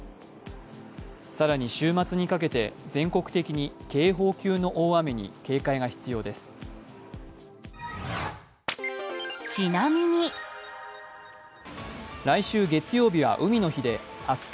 更に週末にかけて全国的に警報級の雨に警戒が必要です。